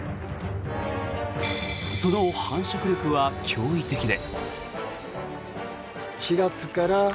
その繁殖力は驚異的で。